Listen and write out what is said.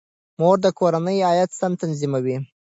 مور د کورنۍ عاید سم تنظیموي.